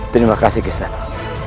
terima kasih kisanak